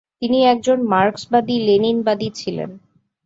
তিনি একজন মার্কসবাদী-লেনিনবাদী ছিলেন।